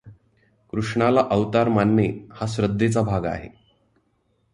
कृष्णाला अवतार मानणे हा श्रद्धेचा भाग आहे.